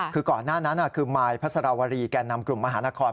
คือก่อนหน้านั้นคือมายพัสรวรีแก่นำกลุ่มมหานคร